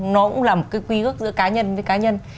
nó cũng là một cái quy ước giữa cá nhân với cá nhân